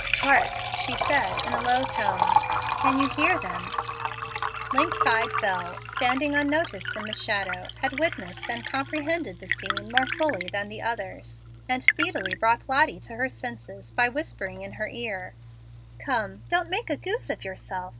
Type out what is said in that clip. "Hark!" she said, in a low tone. "Can you heal them?" Lynx eyed Bel, standing unnoticed in the shadow, had witnessed and comprehended the scene more fully than the Others, and speedily brought Lottie to her senses by whispering in her ear: "Come, don't make a goose of yourself.